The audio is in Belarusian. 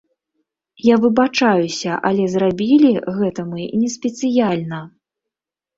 Я выбачаюся, але зрабілі гэта мы не спецыяльна.